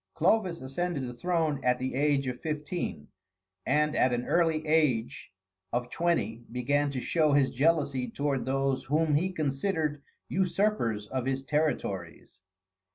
Clovis ascended the throne at the age of fifteen, and at the early age of twenty began to show his jealousy toward those whom he considered usurpers of his territories.